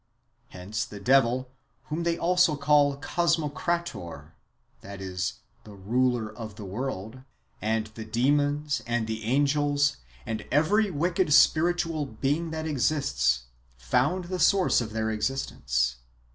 Hence the devil, whom they also call Cosmocrator (the ruler of the world), and the demons, tindthe angels, and every wicked spiritual being that exists, found the source of their existence.